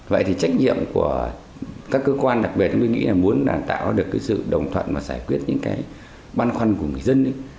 vậy thì trách nhiệm của các cơ quan đặc biệt chúng tôi nghĩ là muốn tạo được cái sự đồng thuận và giải quyết những cái băn khoăn của người dân